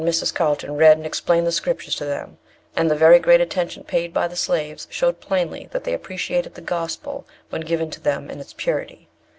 On the Sabbath, Mr. and Mrs. Carlton read and explained the Scriptures to them; and the very great attention paid by the slaves showed plainly that they appreciated the gospel when given to them in its purity.